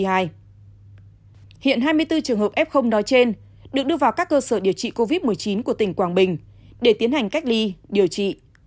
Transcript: hiện hai mươi bốn trường hợp f đó trên được đưa vào các cơ sở điều trị covid một mươi chín của tỉnh quảng bình để tiến hành cách ly điều trị